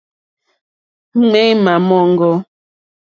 Ŋměmà móŋɡô.